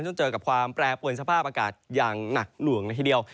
ต้องเจอกับความแปรปวนสภาพอากาศอย่างหนักหน่วงเลยทีเดียว